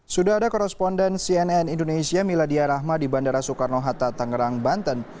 sudah ada koresponden cnn indonesia miladia rahma di bandara soekarno hatta tangerang banten